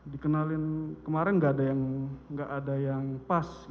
dikenalin kemarin gak ada yang gak ada yang pas